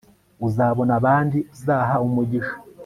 uzabona abandi uzaha umugisha